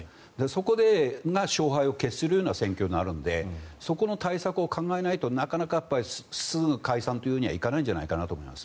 そこが勝敗を決するような選挙になるのでそこの対策を考えないとなかなかすぐに解散とはいかないと思います。